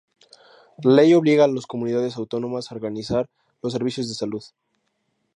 La Ley obliga a las Comunidades Autónomas a organizar los servicios de salud.